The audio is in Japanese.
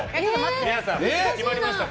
皆さん、決まりましたか。